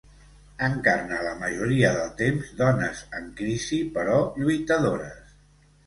Encarna la majoria del temps dones en crisi però lluitadores.